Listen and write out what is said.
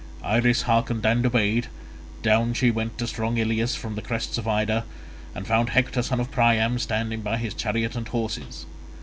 Iris hearkened and obeyed. Down she went to strong Ilius from the crests of Ida, and found Hector son of Priam standing by his chariot and horses.